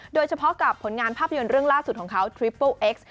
โดยเฉพาะกับผลงานภาพยนตร์เรื่องล่าสุดของเขาทริปโป้เอ็กซ์